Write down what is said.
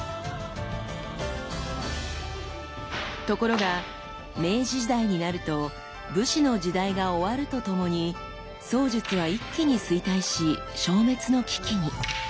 ところが明治時代になると武士の時代が終わるとともに槍術は一気に衰退し消滅の危機に。